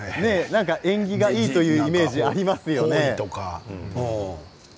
縁起がいいというイメージありますよね。